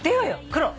「黒」